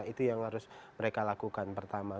itu yang harus mereka lakukan pertama